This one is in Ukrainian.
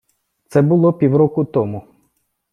Це було півроку тому.